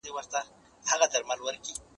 زه سبا ته فکر نه کوم!؟